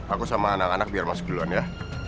aku sama anak anak biar masuk duluan ya